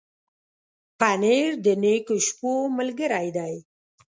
پنېر د نېکو شپو ملګری دی.